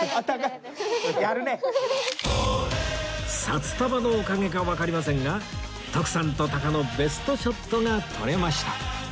札束のおかげかわかりませんが徳さんと鷹のベストショットが撮れました